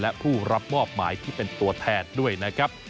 และผู้รับมอบหมายที่เป็นตัวแทนด้วยนะครับ